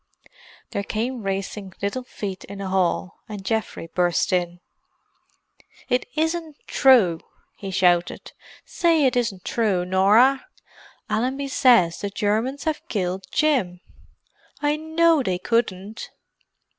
There came racing little feet in the hall, and Geoffrey burst in. "It isn't true!" he shouted. "Say it isn't true, Norah! Allenby says the Germans have killed Jim—I know they couldn't."